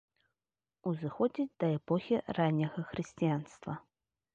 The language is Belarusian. Узыходзіць да эпохі ранняга хрысціянства.